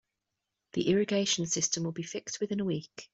The irrigation system will be fixed within a week.